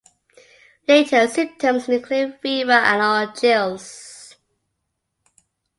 Later symptoms include fever and or chills.